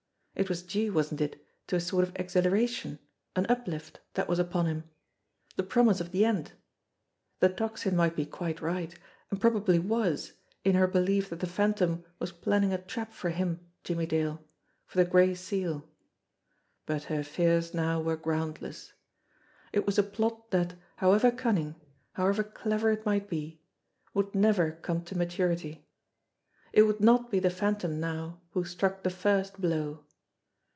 It was due, wasn't it, to a sort of exhilaration, an uplift, that was upon him? The promise of the end! The Tocsin might be quite right, and probably was, in her belief that the Phantom was planning a trap for him, Jimmie Dale, for the Gray Seal. But her fears now were groundless. It was a plot that, however cunning, how ever clever it might be, would never come to maturity. It would not be the Phantom now who struck the first blow.